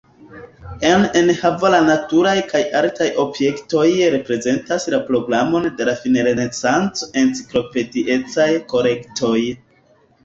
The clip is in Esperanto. En enhavo la naturaj kaj artaj objektoj reprezentas la programon de la finrenesanco-enciklopediecaj kolektoj.